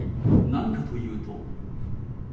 何かというと。